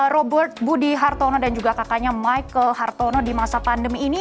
robot budi hartono dan juga kakaknya michael hartono di masa pandemi ini